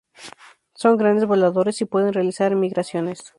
Son grandes voladores y pueden realizar migraciones.